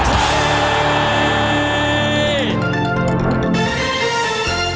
โปรดติดตามตอนต่อไป